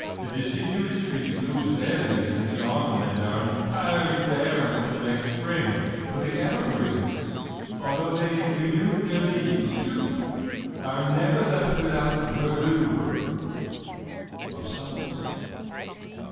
The deciduous trees lose their leaves in the autumn and are entirely bare until the next spring, but the evergreens, although they renew their leaves, too, are never left without verdure of some sort.